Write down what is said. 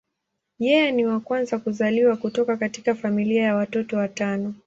Yeye ni wa kwanza kuzaliwa kutoka katika familia ya watoto watano.